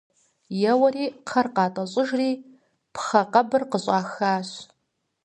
Еуэри кхъэр къатӀэщӀыжри пхъэ къэбыр къыщӀахащ.